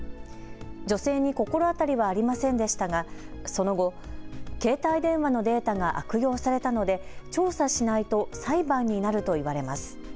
女性に心当たりはありませんでしたがその後、携帯電話のデータが悪用されたので調査しないと裁判になると言われます。